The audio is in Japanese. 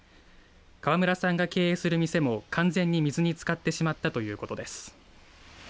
川村さんが経営する店も完全に水につかってしまったということです。